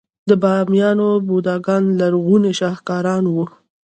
د بامیان بوداګان لرغوني شاهکارونه وو